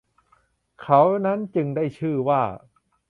เขานั้นจึง ได้ชื่อว่า